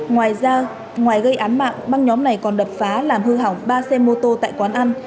ngoài ra ngoài gây án mạng băng nhóm này còn đập phá làm hư hỏng ba xe mô tô tại quán ăn